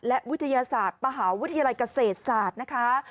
และวิทยาศาสตร์มหาวิทยาลัยเกษตรศาสตร์นะคะ